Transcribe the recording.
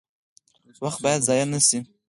وخت باید ضایع نشي